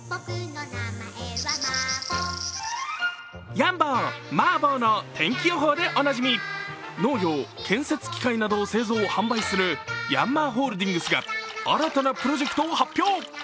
ヤン坊・マー坊の天気予報でおなじみ農業・建設機械などを製造・販売するヤンマーホールディングスが新たなプロジェクトを発表。